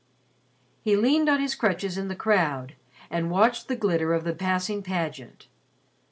He leaned on his crutches in the crowd and watched the glitter of the passing pageant.